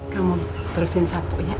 kamu terusin sapunya